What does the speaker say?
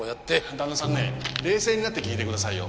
旦那さんね冷静になって聞いてくださいよ。